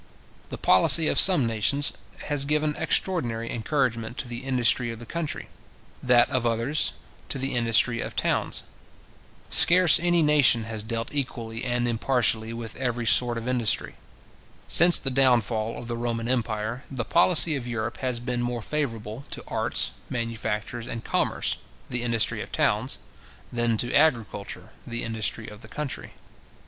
The policy of some nations has given extraordinary encouragement to the industry of the country; that of others to the industry of towns. Scarce any nation has dealt equally and impartially with every sort of industry. Since the down fall of the Roman empire, the policy of Europe has been more favourable to arts, manufactures, and commerce, the industry of towns, than to agriculture, the Industry of the country.